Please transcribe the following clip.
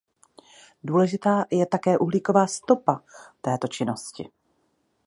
Důležitá je také uhlíková "stopa" této činnosti.